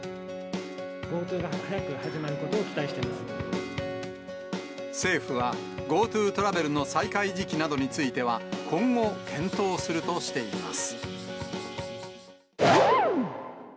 ＧｏＴｏが早く始まること政府はＧｏＴｏトラベルの再開時期などについては、今後、検討するとしています。